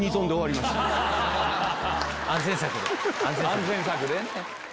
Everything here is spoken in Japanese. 安全策でね。